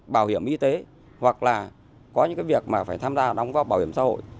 bảo hiểm y tế hoặc là có những cái việc mà phải tham gia đóng vào bảo hiểm xã hội